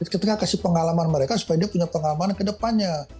kita kasih pengalaman mereka supaya dia punya pengalaman kedepannya